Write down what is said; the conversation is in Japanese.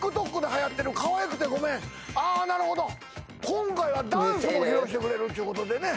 今回はダンスも披露してくれるっちゅうことでね。